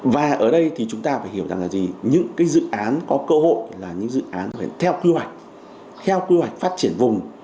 và ở đây thì chúng ta phải hiểu rằng là gì những cái dự án có cơ hội là những dự án phải theo quy hoạch theo quy hoạch phát triển vùng